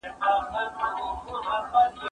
زه به سبا لیکل کوم!؟